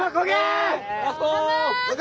こげ！